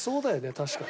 確かに。